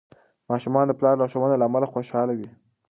ماشومان د پلار لارښوونو له امله خوشحال وي.